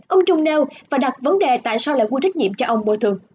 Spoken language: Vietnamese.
ông trung nêu và đặt vấn đề tại sao lại có trách nhiệm cho ông bồi thường